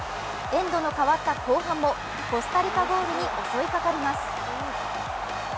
エンドの変わった後半もコスタリカゴールに襲いかかります。